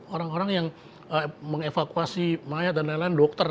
orang orang yang mengevakuasi mayat dan lain lain dokter